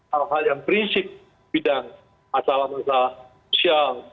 hal hal yang prinsip bidang masalah masalah sosial